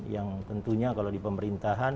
yang tentunya kalau di pemerintahan